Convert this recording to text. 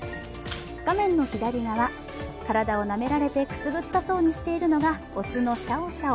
画面の左側、体をなめられて、くすぐったそうにしているのが雄のシャオシャオ。